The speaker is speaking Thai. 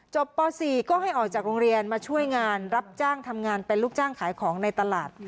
ป๔ก็ให้ออกจากโรงเรียนมาช่วยงานรับจ้างทำงานเป็นลูกจ้างขายของในตลาด